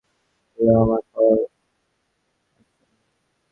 বললাম আমার পাওয়ার আর নেই।